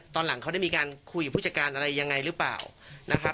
ตอนหลังเขาได้มีการคุยกับผู้จัดการอะไรยังไงหรือเปล่านะครับ